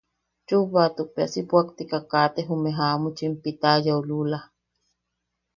Chubbatuk bea si puʼaktika kaate jume jamuchim. Pitayau lula.